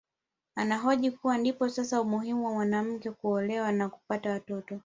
Anahoji kuwa ndipo sasa umuhimu wa mwanamke kuolewa na kupata watoto